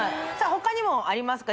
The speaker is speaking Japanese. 他にもありますか？